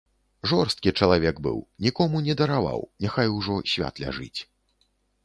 Жорсткі чалавек быў, нікому не дараваў, няхай ужо свят ляжыць.